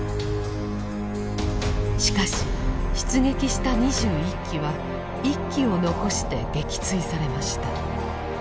しかし出撃した２１機は１機を残して撃墜されました。